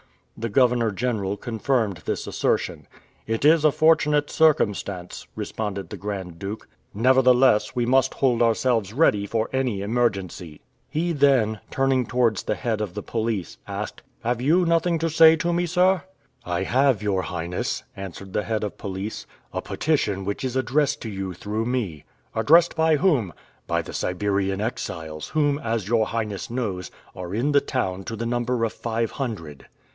The governor general confirmed this assertion. "It is a fortunate circumstance," responded the Grand Duke. "Nevertheless, we must hold ourselves ready for any emergency." He then, turning towards the head of the police, asked, "Have you nothing to say to me, sir?" "I have your Highness," answered the head of police, "a petition which is addressed to you through me." "Addressed by whom?" "By the Siberian exiles, whom, as your Highness knows, are in the town to the number of five hundred."